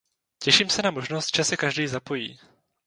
Těším se na možnost, že se každý zapojí.